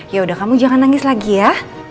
yaudah kamu jangan nangis lagi ya